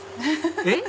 えっ？